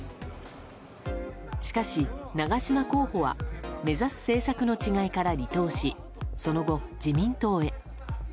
しかし、長島候補は目指す政策の違いから離党しその後、自民党へ。